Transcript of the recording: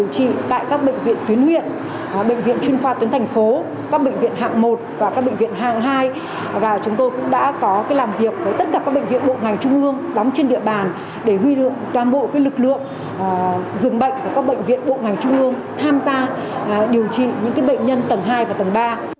các bệnh viện bộ ngày trung hương tham gia điều trị những bệnh nhân tầng hai và tầng ba